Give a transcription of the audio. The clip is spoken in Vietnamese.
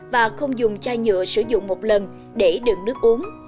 và không dùng chai nhựa sử dụng một lần để đựng nước uống